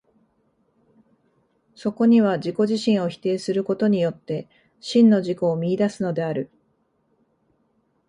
そこには自己自身を否定することによって、真の自己を見出すのである。